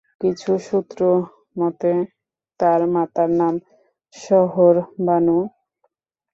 কিছু সূত্রমতে তাঁর মাতার নাম শহরবানু।